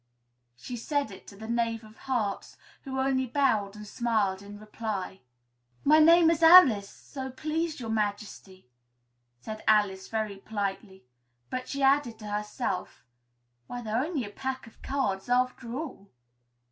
She said it to the Knave of Hearts, who only bowed and smiled in reply. "My name is Alice, so please Your Majesty," said Alice very politely; but she added to herself, "Why, they're only a pack of cards, after all!"